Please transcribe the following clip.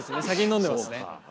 先に飲んでますね。